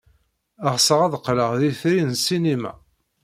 Ɣseɣ ad qqleɣ d itri n ssinima.